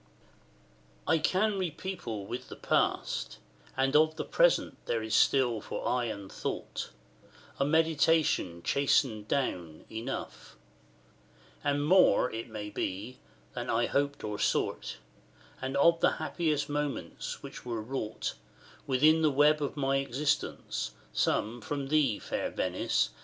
XIX. I can repeople with the past and of The present there is still for eye and thought, And meditation chastened down, enough; And more, it may be, than I hoped or sought; And of the happiest moments which were wrought Within the web of my existence, some From thee, fair Venice!